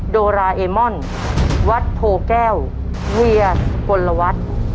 โดราเอมอนวัดโพแก้วเวียกลวัฒน์